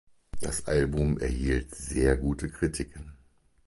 Das Album erhielt sehr gute Kritiken.